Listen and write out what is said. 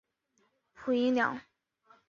阆音两。